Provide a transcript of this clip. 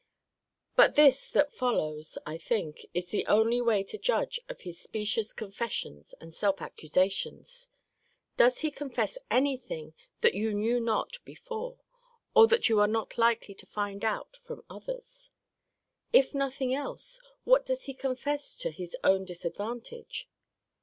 But this, that follows, I think, is the only way to judge of his specious confessions and self accusations Does he confess any thing that you knew not before, or that you are not likely to find out from others? If nothing else, what does he confess to his own disadvantage?